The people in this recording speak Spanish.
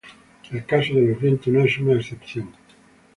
El caso de los vientos no es una excepción.